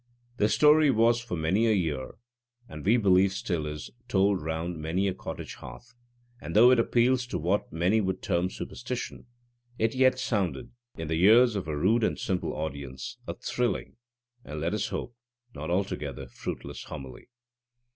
The story was for many a year, and we believe still is, told round many a cottage hearth, and though it appeals to what many would term superstition, it yet sounded, in the ears of a rude and simple audience, a thrilling, and let us hope, not altogether fruitless homily.